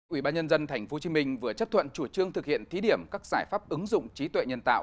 ủy ban nhân dân tp hcm vừa chấp thuận chủ trương thực hiện thí điểm các giải pháp ứng dụng trí tuệ nhân tạo